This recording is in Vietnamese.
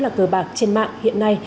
là cờ bạc trên mạng hiện nay